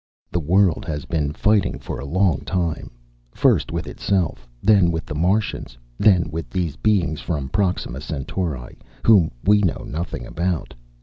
"The world has been fighting for a long time, first with itself, then with the Martians, then with these beings from Proxima Centauri, whom we know nothing about.